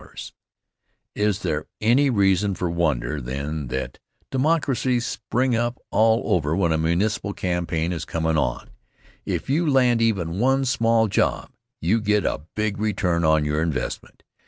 00 Is there any reason for wonder, then, that "Democracies" spring up all over when a municipal campaign is comm' on? If you land even one small job, you get a big return on your investment.